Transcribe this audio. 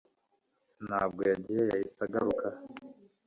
ntabwo yagiye yahise agaruka